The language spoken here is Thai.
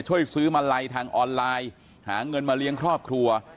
ช่วยซื้อมาลัยทางออนไลน์หาเงินมาเลี้ยงครอบครัว